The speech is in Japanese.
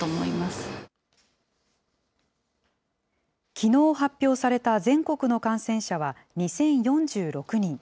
きのう発表された全国の感染者は２０４６人。